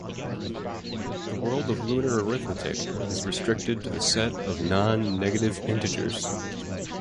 The world of lunar arithmetic is restricted to the set of nonnegative integers.